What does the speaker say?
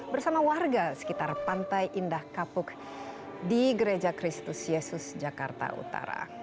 bersama warga sekitar pantai indah kapuk di gereja kristus yesus jakarta utara